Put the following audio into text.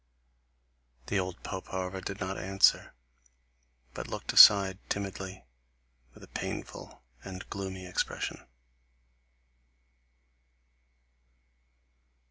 The old pope however did not answer, but looked aside timidly, with a painful and gloomy expression.